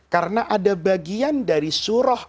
karena ada bagian dari surah